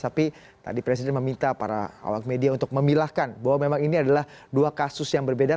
tapi tadi presiden meminta para awak media untuk memilahkan bahwa memang ini adalah dua kasus yang berbeda